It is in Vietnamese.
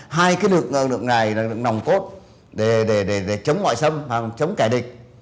hai cái lực lượng này là lực lượng nồng cốt để chống ngoại xâm chống kẻ địch